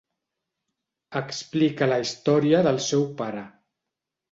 Explica la història del seu pare.